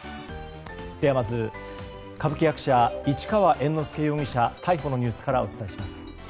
ではまず歌舞伎役者、市川猿之助容疑者逮捕のニュースからお伝えします。